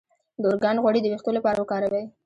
د ارګان غوړي د ویښتو لپاره وکاروئ